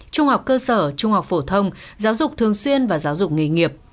trung học cơ sở trung học phổ thông giáo dục thường xuyên và giáo dục nghề nghiệp